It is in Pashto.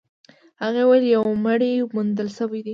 هغې وويل يو مړی موندل شوی دی.